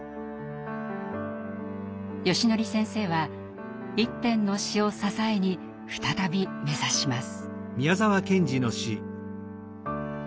よしのり先生は一編の詩を支えに再び目指します。